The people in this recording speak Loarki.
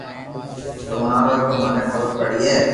تو ھڻاوي تو مني خبر پڙئي